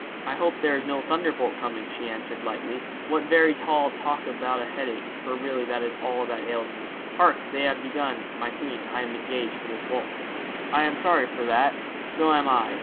'I hope there is no thunderbolt coming,' she answered, lightly. 'What very tall talk about a headache, for really that is all that ails me. Hark, they have begun "My Queen." I am engaged for this waltz.' 'I am sorry for that.' 'So am I.